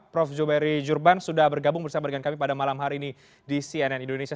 prof zubairi jurban sudah bergabung bersama dengan kami pada malam hari ini di cnn indonesia